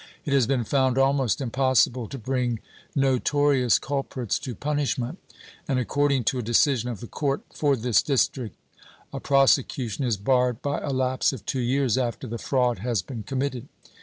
It has been found almost impossible to bring notorious culprits to punishment, and, according to a decision of the court for this District, a prosecution is barred by a lapse of two years after the fraud has been committed.